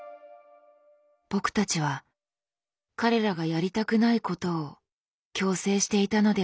僕たちは彼らがやりたくないことを強制していたのではないか？